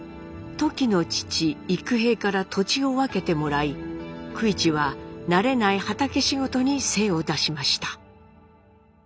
トキの父幾平から土地を分けてもらい九一は慣れない畑仕事に精を出しました。